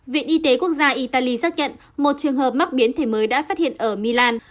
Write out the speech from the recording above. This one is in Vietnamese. viện y tế quốc gia italy xác nhận một trường hợp mắc biến thể mới đã phát hiện ở milan